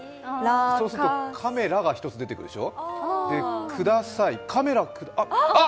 そうすると、カメラが一つ出てくるでしょう、ください